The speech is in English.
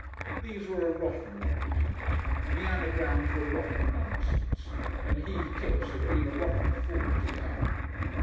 These were a rotten lot of people, and the anagrams were rotten nonsense, and he, Kipps, had been a rotten fool to come.